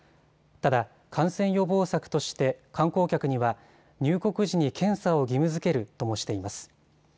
ただ、感染予防策として観光客には入国時に検査を義務づけるともしています。